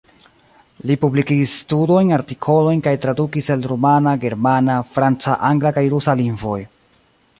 Li publikigis studojn, artikolojn kaj tradukis el rumana, germana, franca, angla kaj rusa lingvoj.